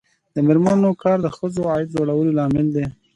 د میرمنو کار د ښځو عاید لوړولو لامل دی.